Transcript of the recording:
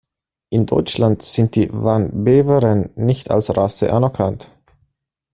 In Deutschland sind die van Beveren nicht als Rasse anerkannt.